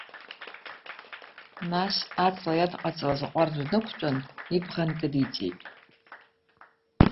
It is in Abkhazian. Нас, аҵла иадҟаҵалаз аҟәардә днықәтәан, ибӷа нкыдиҵеит.